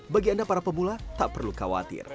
bagi anda para pemula tak perlu khawatir